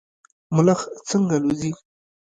ملخ څنګه الوځي؟